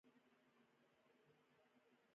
پاچا د منشور په اړه خوښ نه و.